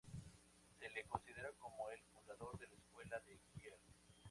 Se le considera como el fundador de la escuela de Kiel.